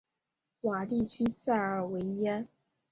瓦地区塞尔维耶。